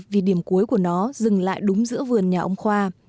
vì điểm cuối của nó dừng lại đúng giữa vườn nhà ông khoa